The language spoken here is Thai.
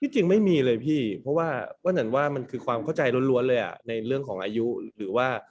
จริงไม่มีเลยพี่เพราะว่าป้านันว่ามันคือความเข้าใจล้วนเลยในเรื่องของอายุหรือว่า